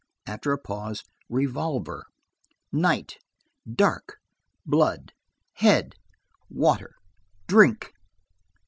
After a pause, "revolver." "Night." "Dark." "Blood." "Head." "Water." "Drink."